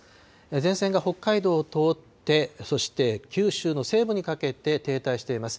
前線が北海道を通って、そして九州の西部にかけて停滞しています。